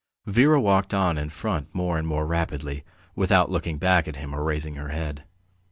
Vera walked on in front more and more rapidly, without looking back at him or raising her head.